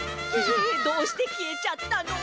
ええどうしてきえちゃったの？